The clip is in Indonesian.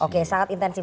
oke sangat intensif